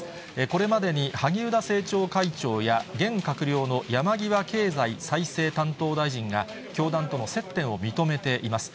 これまでに萩生田政調会長や現閣僚の山際経済再生担当大臣が、教団との接点を認めています。